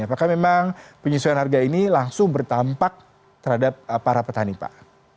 apakah memang penyesuaian harga ini langsung berdampak terhadap para petani pak